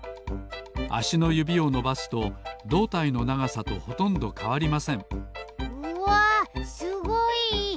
あしのゆびをのばすとどうたいのながさとほとんどかわりませんうわすごい！